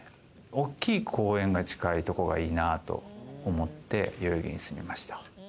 大きい公園が近いとこがいいなと思って、代々木に住みました。